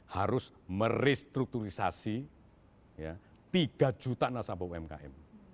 harus merestrukturisasi tiga juta nasabah umkm